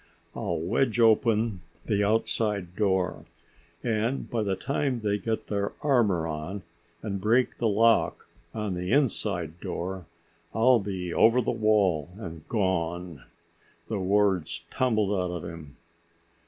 I'll wedge open the outside door, and by the time they get their armor on and break the lock on the inside door, I'll be over the wall and gone." The words tumbled out of him.